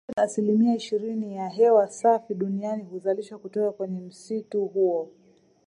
Takribani asilimia ishirini ya hewa safi duniani huzalishwa kutoka kwenye msitu huo